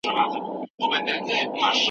د بزکشۍ اسونه کمزوري نه وي.